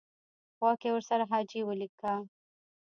خوا کې ورسره حاجي ولیکه.